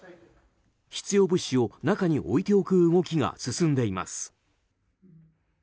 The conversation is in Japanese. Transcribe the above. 必要物資を中に置いておく動きが進んでいます。